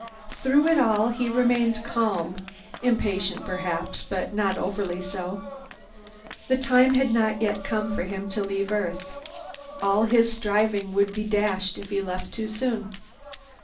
Through it all, he remained calm; impatient, perhaps, but not overly so. The time had not yet come for him to leave Earth. All his striving would be dashed if he left too soon.